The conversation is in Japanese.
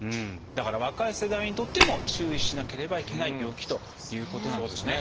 だから若い世代にとっても注意しなければいけない病気ということなんですね。